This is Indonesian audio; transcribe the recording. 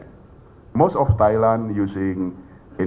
kebanyakan thailand yang menggunakan